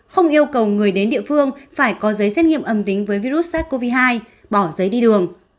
không yêu cầu người đến địa phương phải có giấy xét nghiệm âm tính với virus sars cov hai bỏ giấy đi đường